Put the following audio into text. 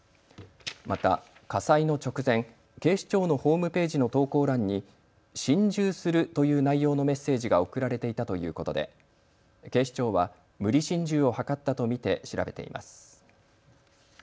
また、火災の直前、警視庁のホームページの投稿欄に心中するという内容のメッセージが送られていたということで警視庁は無理心中を図ったと見て調べています。